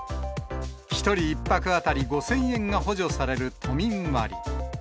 １人１泊当たり５０００円が補助される都民割。